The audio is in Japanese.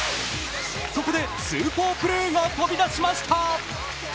そこでスーパープレーが飛び出しました。